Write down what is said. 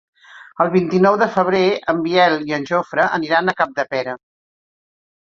El vint-i-nou de febrer en Biel i en Jofre aniran a Capdepera.